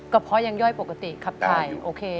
ก็เพราะยังย่อยปกติครับไทยโอเค